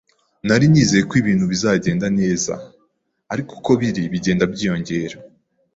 Nari nizeye ko ibintu bizagenda neza, ariko uko biri, bigenda byiyongera.